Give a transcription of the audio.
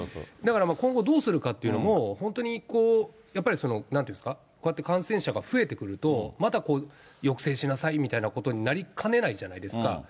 だから今後どうするかっていうのも、本当にやっぱりその、なんて言うんですか、こうやって感染者が増えてくると、また抑制しなさいみたいなことになりかねないじゃないですか。